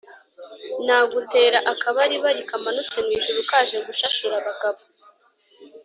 Nagutera akabaribari kamanutse mu ijuru kaje gushashura abagabo